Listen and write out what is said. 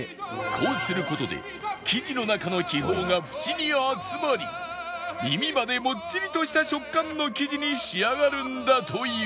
こうする事で生地の中の気泡が縁に集まり耳までモッチリとした食感の生地に仕上がるんだという